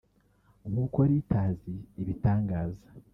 nk’uko Reuters ibitangaza